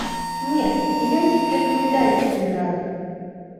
Не, ён цяпер не дасць ёй рады!